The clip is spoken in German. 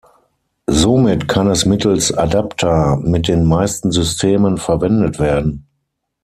Somit kann es mittels Adapter mit den meisten Systemen verwendet werden.